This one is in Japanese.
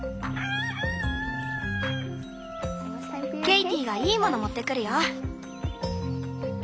ケイティがいいもの持ってくるよ。